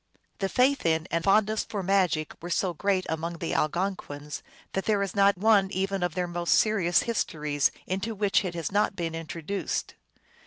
The faith in and fondness for magic were so great among the Algonquins that there is not one even of their most serious histories into which it has not been introduced.